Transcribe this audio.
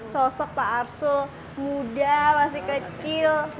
sosek pak farsul muda masih kecil manja